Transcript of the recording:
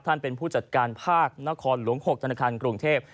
เป็นผู้จัดการภาคนครหลวง๖ธนาคารกรุงเทพ